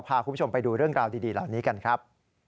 พาคุณผู้ชมไปดูเรื่องราวดีเหล่านี้กันครับ